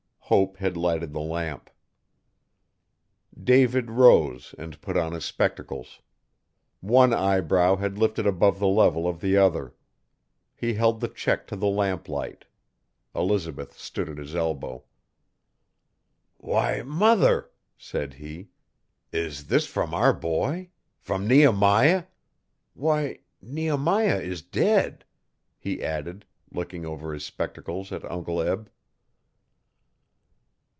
Hope had lighted the lamp. David rose and put on his spectacles. One eyebrow had lifted above the level of the other. He held the check to the lamplight. Elizabeth stood at his elbow. 'Why, mother!' said he. 'Is this from our boy? From Nehemiah? Why, Nehemiah is dead!' he added, looking over his spectacles at Uncle Eb.